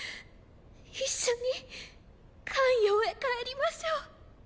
一緒に咸陽へ帰りましょう。